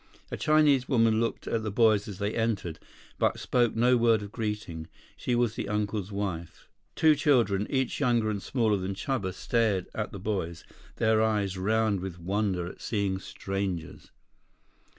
A Chinese woman looked at the boys as they entered, but spoke no word of greeting. She was the uncle's wife. Two children, each younger and smaller than Chuba, stared at the boys, their eyes round with wonder at seeing strangers.